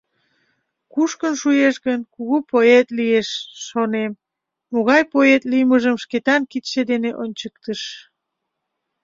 Кушкын шуэш гын, кугу поэт лиеш, шонем! — могай поэт лиймыжым Шкетан кидше дене ончыктыш.